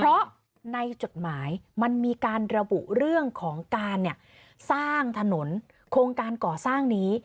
เพราะในจดหมายมันมีการระบุเรื่องของการสร้างถนนโครงการก่อสร้างนี้